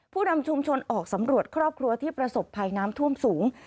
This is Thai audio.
ผู้นำชุมชนออกสำรวจครอบครัวที่ประสบภัยน้ำท่วมสูง